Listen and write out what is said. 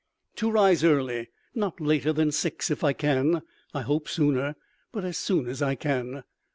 To rise early; not later than six, if I can; I hope sooner, but as soon as I can.